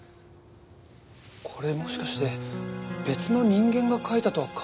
これもしかして別の人間が書いたとは考えられませんか？